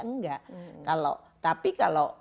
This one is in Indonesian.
enggak kalau tapi kalau